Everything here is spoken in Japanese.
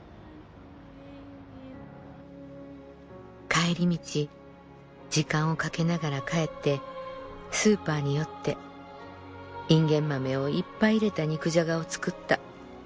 「帰り道時間をかけながら帰ってスーパーに寄ってインゲン豆をいっぱい入れた肉じゃがを作った。